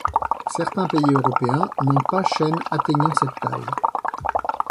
Certains pays européens n'ont pas chênes atteignant cette taille.